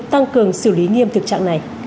tăng cường xử lý nghiêm thực trạng này